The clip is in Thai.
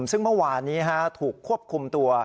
ซึ่งเมื่อวานนี้ถูกควบคุมตัว